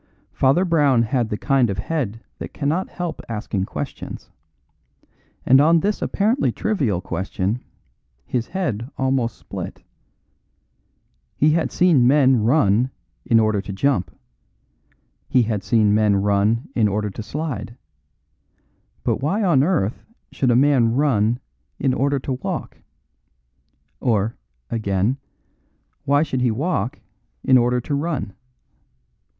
Father Brown had the kind of head that cannot help asking questions; and on this apparently trivial question his head almost split. He had seen men run in order to jump. He had seen men run in order to slide. But why on earth should a man run in order to walk? Or, again, why should he walk in order to run?